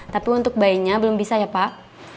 tapi untuk bayinya belum bisa ya pak